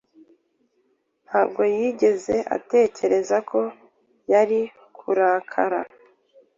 Ntabwo yigeze atekereza ko yari kurakara.